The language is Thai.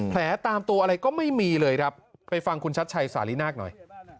ตามตัวอะไรก็ไม่มีเลยครับไปฟังคุณชัดชัยสาลินาคหน่อย